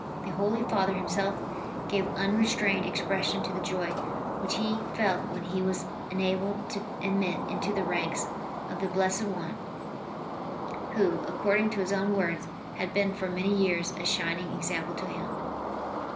The Holy Father himself gave unrestrained expression to the joy which he felt when he was enabled to admit into the ranks of the blessed one who, according to his own words, had been for many years a shining example to him.